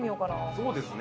そうですね。